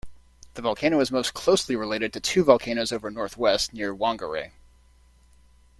The volcano is most closely related to two volcanoes over northwest, near Whangarei.